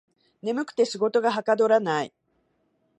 眠くて仕事がはかどらない